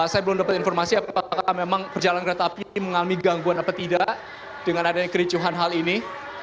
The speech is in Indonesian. saya belum dapat informasi apakah memang perjalanan kereta api mengalami gangguan apa tidak dengan adanya kericuhan hal ini